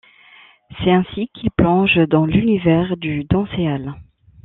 C'est ainsi qu'il plonge dans l'univers du dancehall.